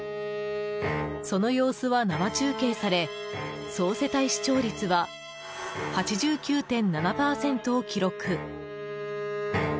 その様子は、生中継され総世帯視聴率は８９．７％を記録。